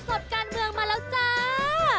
สดการเมืองมาแล้วจ้า